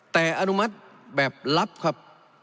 แต่อนุมัติแบบลับครับ